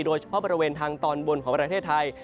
โดยเฉพาะบริเวณทางตอนบนของประเทศไทย